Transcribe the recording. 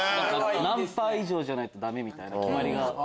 何％以上じゃないとダメみたいな決まりがあった。